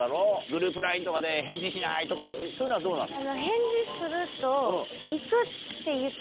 グループＬＩＮＥとかで返事しないとかそういうのはどうなの？